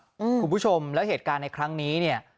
คุณผู้ชมแล้วเหตุการณ์ในครั้งนี้เนี่ย